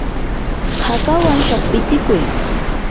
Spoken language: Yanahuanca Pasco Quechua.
hakawan shuqpitsikuy.